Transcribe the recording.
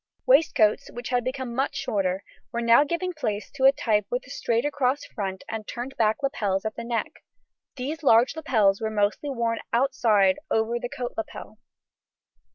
] Waistcoats, which had become much shorter, were now giving place to a type with a straight across front and turned back lapels at the neck; these large lapels were mostly worn outside over the coat lapel.